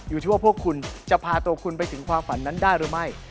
อยู่ที่ว่าพวกคุณจะพาตัวคุณไปถึงความฝันนั้นได้หรือไม่